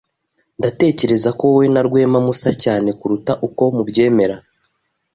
Ndatekereza ko wowe na Rwema musa cyane kuruta uko mubyemera.